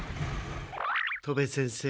戸部先生